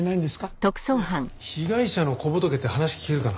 ねえ被害者の小仏って話聞けるかな？